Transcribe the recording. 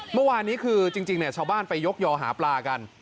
เมื่อวานนี้คือจริงชาวบ้านไปยกยอหาปลากัน